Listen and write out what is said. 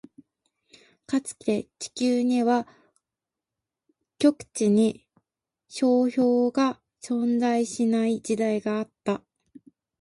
かつて、地球には極域に氷床が存在しない時期があった。